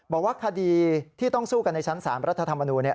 บอกว่าคดีที่ต้องสู้กันในชั้น๓รัฐธรรมนูล